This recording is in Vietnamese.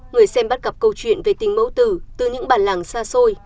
người xem bắt gặp câu chuyện về tình mẫu tử từ những bản làng xa xôi